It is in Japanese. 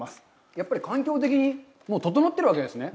やっぱり環境的に整ってるわけですね？